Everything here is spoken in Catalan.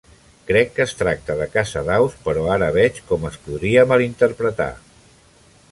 Crec que es tracta de caça d'aus, però ara veig com es podria malinterpretar.